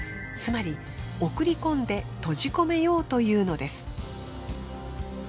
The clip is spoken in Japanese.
つまり送り込んで閉じ込めようというのです。